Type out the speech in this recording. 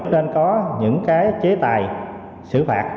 nên có những cái chế tài xử phạt